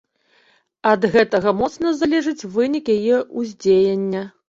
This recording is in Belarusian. Ад гэтага моцна залежыць вынік яе ўздзеяння.